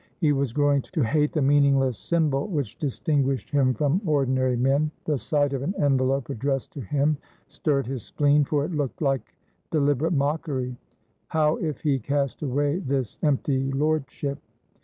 He was growing to hate the meaningless symbol which distinguished him from ordinary men; the sight of an envelope addressed to him stirred his spleen, for it looked like deliberate mockery. How if he cast away this empty lordship?